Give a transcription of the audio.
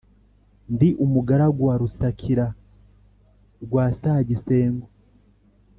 ndi umugaragu wa rusakira rwa sagisengo